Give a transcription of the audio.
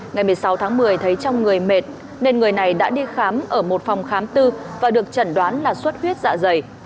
ngày một mươi sáu tháng một mươi thấy trong người mệt nên người này đã đi khám ở một phòng khám tư và được chẩn đoán là suất huyết dạ dày